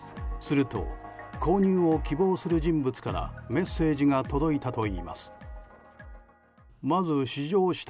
すると購入を希望する人物からメッセージが届いたといいます。